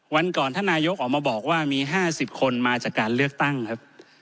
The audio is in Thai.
วันก่อนท่านนายกออกมาบอกว่ามี๕๐คนมาจากการเลือกตั้งครับ